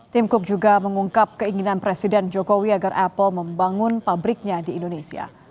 tim cook juga mengungkap keinginan presiden jokowi agar apple membangun pabriknya di indonesia